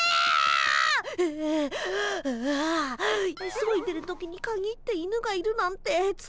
急いでる時にかぎって犬がいるなんてついてないな。